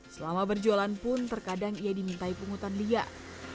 selama berjualan pun terkadang ia dimintai pungutan liar